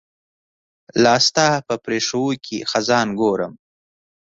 لاستا په پرښوکې خزان ګورم